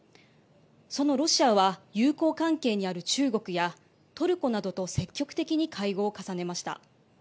そのロシアは友好関係にある中国やトルコなどと積極的に会合を重ねました。